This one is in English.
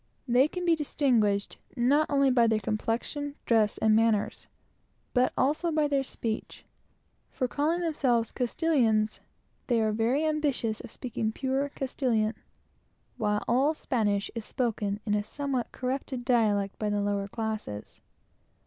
They can be told by their complexions, dress, manner, and also by their speech; for, calling themselves Castilians, they are very ambitious of speaking the pure Castilian language, which is spoken in a somewhat corrupted dialect by the lower classes.